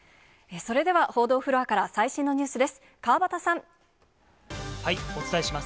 それでは報道フロアから最新のニュースです。